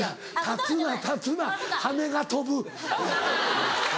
立つな立つな羽根が飛ぶ。